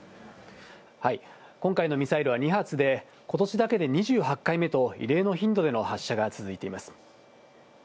今回のミサイルは２発で、ことしだけで２８回目と、異例の頻度での発射が続いています。